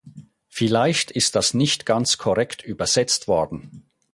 Vielleicht ist das nicht ganz korrekt übersetzt worden.